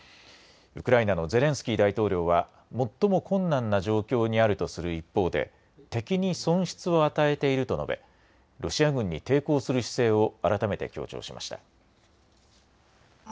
ウクライナのゼレンスキー大統領は最も困難な状況にあるとする一方で敵に損失を与えていると述べ、ロシア軍に抵抗する姿勢を改めて強調しました。